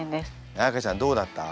彩歌ちゃんどうだった？